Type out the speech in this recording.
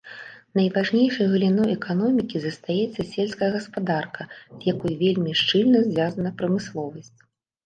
Найважнейшай галіной эканомікі застаецца сельская гаспадарка, з якой вельмі шчыльна звязана прамысловасць.